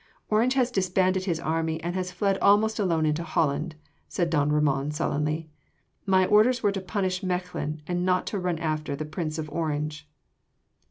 "Orange has disbanded his army and has fled almost alone into Holland," said don Ramon sullenly. "My orders were to punish Mechlin and not to run after the Prince of Orange."